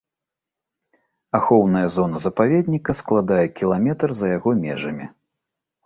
Ахоўная зона запаведніка складае кіламетр за яго межамі.